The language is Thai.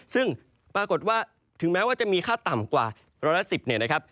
ซึ่งปรากฏว่าถึงแม้ว่าจะมีค่าต่ำกว่าร้อยละ๑๐เนี่ยนะครับ